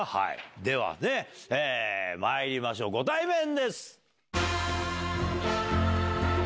ではまいりましょうご対面です！